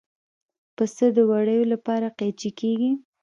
پسه د وړیو لپاره قیچي کېږي.